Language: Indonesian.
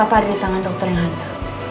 papa ada di tangan dokter yang handa